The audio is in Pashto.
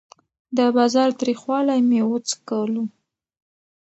د بازار تریخوالی مې وڅکلو.